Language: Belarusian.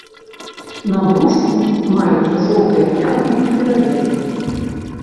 На брушку маюцца жоўтыя плямы і перавязі.